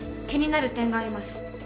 気になる点があります。